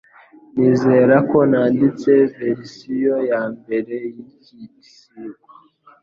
Nizera ko nanditse verisiyo yambere yiki gisigo